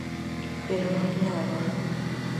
Pero non tiña valor.